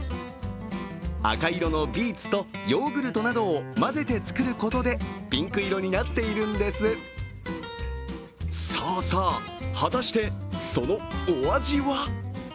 赤色のビーツとヨーグルトなどを混ぜて作ることでピンク色になっているんですさあさあ、果たしてそのお味は？